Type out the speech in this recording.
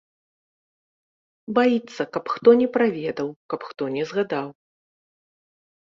Баіцца, каб хто не праведаў, каб хто не згадаў.